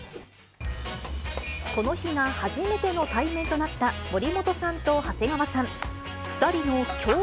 この日が初めての対面となった森本さんと長谷川さん。